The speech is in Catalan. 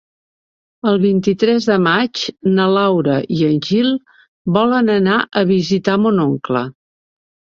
El vint-i-tres de maig na Laura i en Gil volen anar a visitar mon oncle.